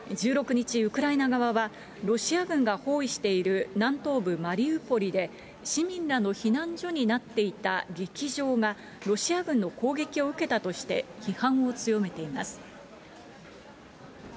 １６日、ウクライナ側は、ロシア軍が包囲している南東部マリウポリで、市民らの避難所になっていた劇場が、ロシア軍の攻撃を受けたとして、批判を強めています。